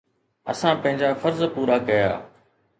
اسان پنهنجا فرض پورا ڪيا.